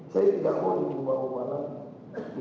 saya tidak mau itu berubah ubahan lagi